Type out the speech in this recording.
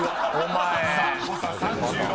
［さあ誤差３６。